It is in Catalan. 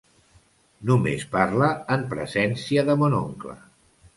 Només parla en presència de mon oncle.